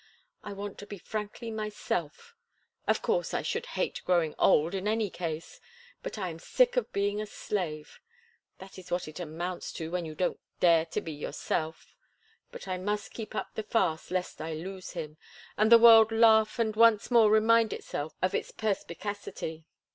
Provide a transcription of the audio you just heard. I want to be frankly myself—of course, I should hate growing old in any case, but I am sick of being a slave—that is what it amounts to when you don't dare to be yourself. But I must keep up the farce lest I lose him, and the world laugh and once more remind itself of its perspicacity.